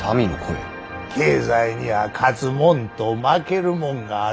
経済には勝つ者と負ける者がある。